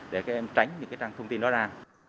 để các em tránh những trang thông tin đó ra